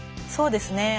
そうですね